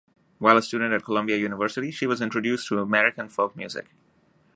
While a student at Columbia University, she was introduced to American folk music.